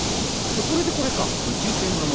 それでこれか。